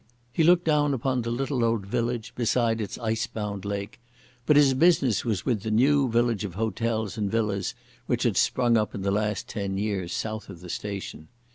He looked down upon the little old village beside its icebound lake, but his business was with the new village of hotels and villas which had sprung up in the last ten years south of the station.